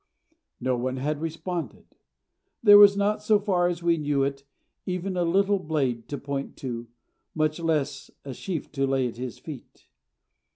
No one had responded. There was not, so far as we knew it, even a little blade to point to, much less a sheaf to lay at His feet.